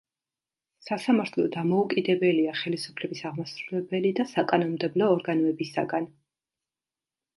სასამართლო დამოუკიდებელია ხელისუფლების აღმასრულებელი და საკანონმდებლო ორგანოებისაგან.